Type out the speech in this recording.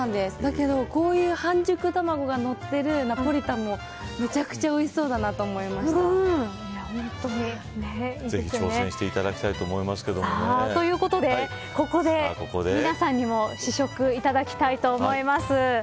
だけどこういう半熟卵がのっているナポリタンもめちゃくちゃぜひ挑戦していただきたいとということでここで、皆さんにも試食いただきたいと思います。